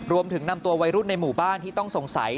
รวมถึงนำตัววัยรุ่นในหมู่บ้านที่ต้องสงสัย